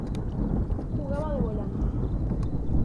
Jugaba de Volante.